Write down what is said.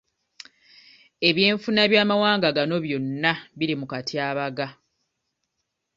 Ebyenfuna by'amawanga gano byonna biri mu katyabaga.